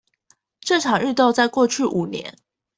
這場運動在過去五年